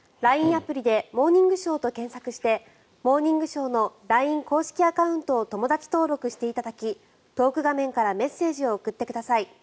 アプリで「モーニングショー」と検索をして「モーニングショー」のＬＩＮＥ公式アカウントを友だち登録していただきトーク画面からメッセージを送ってください。